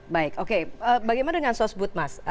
baik oke bagaimana dengan sosbud mas